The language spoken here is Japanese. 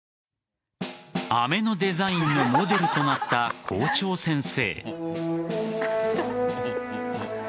飴のデザインのモデルとなった校長先生。